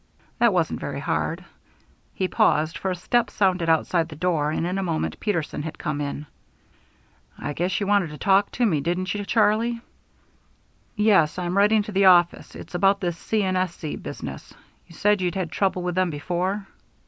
"That wasn't very hard." He paused, for a step sounded outside the door and in a moment Peterson had come in. "I guess you wanted to talk to me, didn't you, Charlie?" "Yes, I'm writing to the office. It's about this C. & S. C. business. You said you'd had trouble with them before."